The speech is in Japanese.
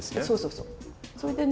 そうそう。